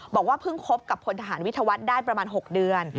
บอกว่าเพิ่งคบกับพลทหารวิทยาวัฒน์ได้ประมาณ๖เดือน